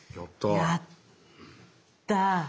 やったぁ。